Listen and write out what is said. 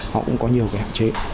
họ cũng có nhiều cái hạn chế